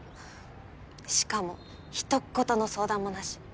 しかも一言の相談もなし。